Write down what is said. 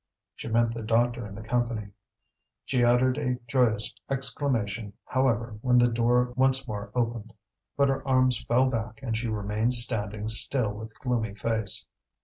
She meant the doctor and the Company. She uttered a joyous exclamation, however, when the door once more opened. But her arms fell back and she remained standing still with gloomy face.